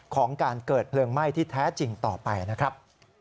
ของการเกิดเพลิงไหม้ที่แท้จริงต่อไปนะครับ